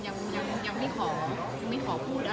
นะคะว่าเราไม่ได้พลูกรู้นะคะ